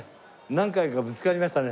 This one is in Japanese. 何回かぶつかりましたね